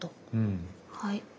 はい。